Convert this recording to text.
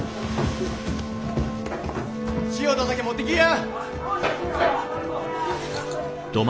塩と酒持ってきや！